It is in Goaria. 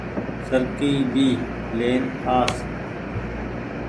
سرڪي ڀي لين آس۔